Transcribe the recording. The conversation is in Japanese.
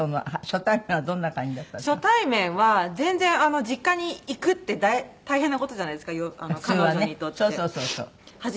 初対面は全然実家に行くって大変な事じゃないですか彼女にとっては。